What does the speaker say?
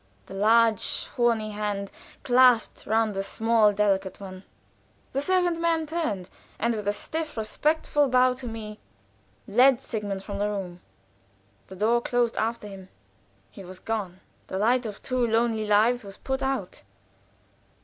The large horny hand clasped round the small delicate one. The servant man turned, and with a stiff, respectful bow to me, led Sigmund from the room. The door closed after him he was gone. The light of two lonely lives was put out.